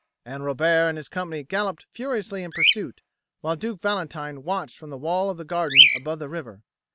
And Robert and his company galloped furiously in pursuit, while Duke Valentine watched from the wall of the garden above the river.